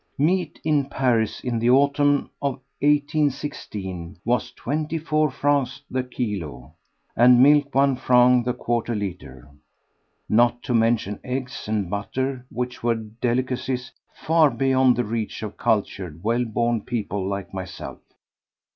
Meat in Paris in the autumn of 1816 was 24 francs the kilo, and milk 1 franc the quarter litre, not to mention eggs and butter, which were delicacies far beyond the reach of cultured, well born people like myself.